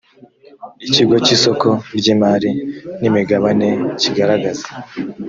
ikigo cy isoko ry imari n imigabane kigaragaza